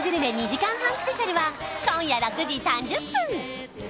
２時間半スペシャルは今夜６時３０分